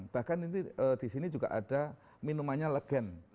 bahkan disini juga ada minumannya legen